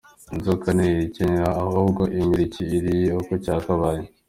Inzoka ntihekenya ahubwo imira icyo iriye uko cyakabaye.